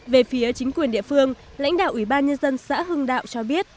về phía chính quyền địa phương lãnh đạo ủy ban nhân dân xã hưng đạo cho biết